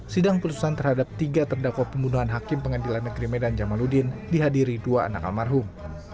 sidang putusan terhadap tiga terdakwa pembunuhan hakim pengadilan negeri medan jamaludin dihadiri dua anak almarhum